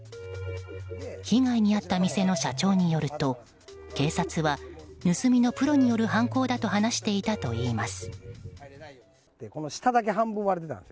被害に遭った店の社長によると警察は盗みのプロによる犯行だと話していたといいます。